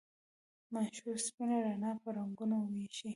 منشور سپینه رڼا په رنګونو ویشي.